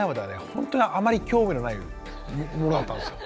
本当にあまり興味のないものだったんですよ。